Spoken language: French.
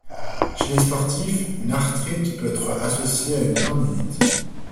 Chez les sportifs, une arthrite peut être associée à une tendinite.